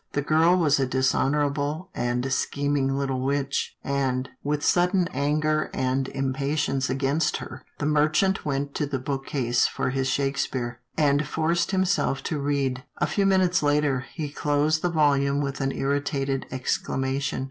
The girl was a dishonour able and scheming little witch, and, with sudden 66 'TILDA JANE'S ORPHANS anger and impatience against her, the merchant went to the book case for his Shakespeare, and forced himself to read. A few minutes later, he closed the volume with an irritated exclamation.